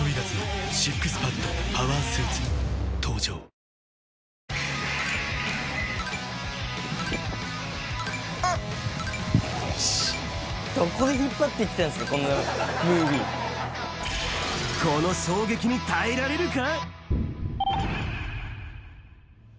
果たして、この衝撃に耐えられるか？